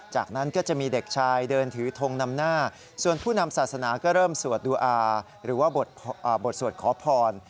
จากนั้นก็จะมีเด็กชายเดินถือทงนำหน้าส่วนผู้นำศาสนาก็เริ่มสวดดูอาหรือว่าบทสวดขอพร